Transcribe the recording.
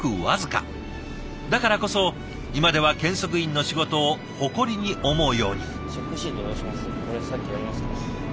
だからこそ今では検測員の仕事を誇りに思うように。